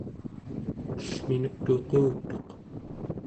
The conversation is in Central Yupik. ellminek tuqutuq